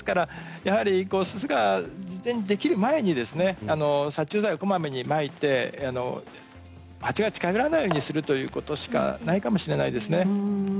巣が事前にできる前に殺虫剤をこまめにまいてハチが近寄らないようにすることしかないかもしれないですね。